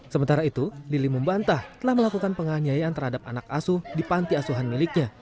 sementara itu lili membantah telah melakukan penganyayaan terhadap anak asuh di panti asuhan miliknya